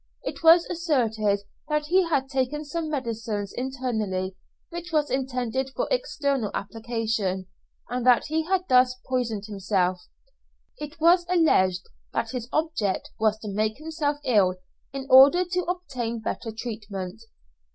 It was asserted that he had taken some medicine internally which was intended for external application, and that he had thus poisoned himself; it was alleged that his object was to make himself ill in order to obtain better treatment.